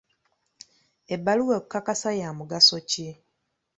Ebbaluwa ekukakasa ya mugaso ki?